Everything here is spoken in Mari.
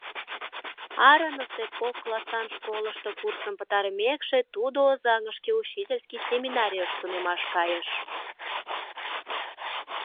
Арынысе кок классан школышто курсым пытарымекше, тудо Озаҥышке учительский семинарийыш тунемаш кайыш...